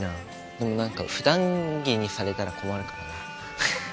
でも何か普段着にされたら困るからな。